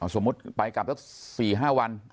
สมมุติไปกลับเท่าสี่ห้าวัน